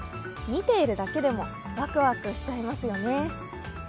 見ているだけでもワクワクしちゃいますよね。